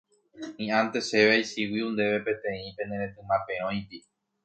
Hi'ãnte chéve aichiguíu ndéve peteĩ pe nde retyma perõipi.